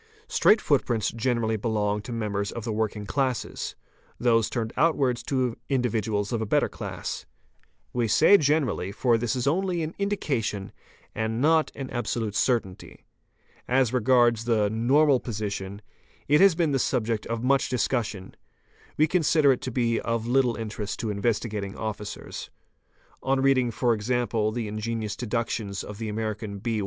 Straight footprints generally belong to members of the working classes, those turned outwards to individuals of a better class. We say "generally'', for this is only an "indication" and not an absolute certainty. As regards the "normal position', it has been the subject of much discussion; we consider it to be of little interest to Investigating Officers. On reading, for example, the ingenious deductions of the American R.